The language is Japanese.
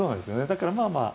だからまあまあ。